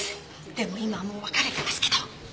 でも今はもう別れてますけど。